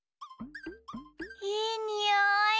いいにおい！